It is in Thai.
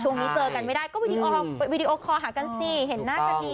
ช่วงนี้เจอกันไม่ได้ก็วีดีโอคอลหากันสิเห็นหน้ากันดี